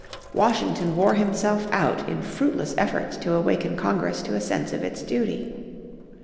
Washington wore himself out in fruitless efforts to awaken Congress to a sense of its duty.